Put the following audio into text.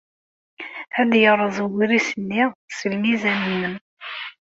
Ad yerreẓ ugris-nni s lmizan-nnem.